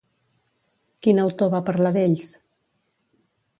Quin autor va parlar d'ells?